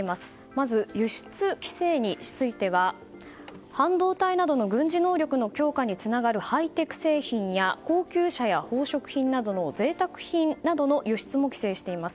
まず輸出規制については半導体などの軍事能力の強化につながるハイテク製品や高級車や宝飾品などのぜいたく品の輸出なども規制しています。